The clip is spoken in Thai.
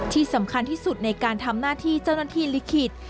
ที่สำคัญที่สุดในการทำหน้าที่เจ้าหน้าที่ลิขิต